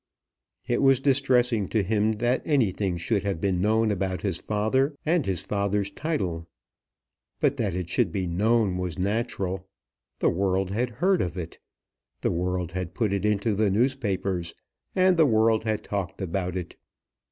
It was distressing to him that anything should have been known about his father and his father's title. But that it should be known was natural. The world had heard of it. The world had put it into the newspapers, and the world had talked about it.